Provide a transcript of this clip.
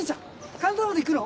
神田まで行くの？